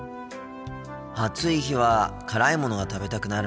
暑い日は辛いものが食べたくなるんだよな。